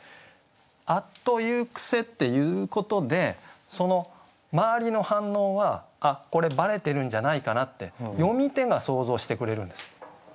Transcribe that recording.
「あつと言ふ癖」って言うことでその周りの反応は「あっこればれてるんじゃないかな」って読み手が想像してくれるんですよ。